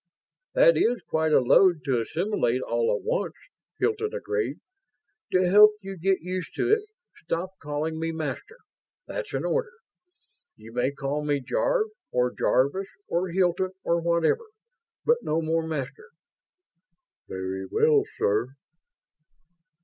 "That is quite a load to assimilate all at once," Hilton agreed. "To help you get used to it, stop calling me 'Master'. That's an order. You may call me Jarve or Jarvis or Hilton or whatever, but no more Master." "Very well, sir."